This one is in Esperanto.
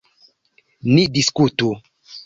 Ni diskutu.